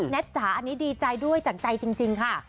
จ๋าอันนี้ดีใจด้วยจากใจจริงค่ะ